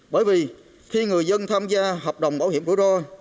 bởi vì khi người dân tham gia hợp đồng bảo hiểm rủi ro